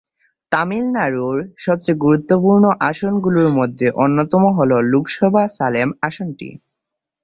তামিলনাড়ুর সবচেয়ে গুরুত্বপূর্ণ আসনগুলির মধ্যে অন্যতম হল লোকসভা সালেম আসনটি।